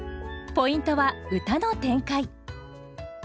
ポイントは歌の展開。